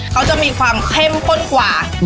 เขาจะมีความเข้มข้นกว่า